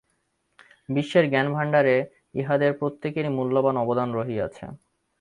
বিশ্বের জ্ঞান-ভাণ্ডারে ইহাদের প্রত্যেকেরই মূল্যবান অবদান রহিয়াছে।